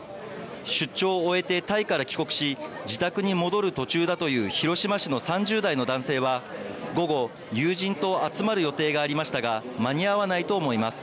出張を終えてタイから帰国し自宅に戻る途中だという広島市の３０代の男性は午後、友人と集まる予定がありましたが間に合わないと思います。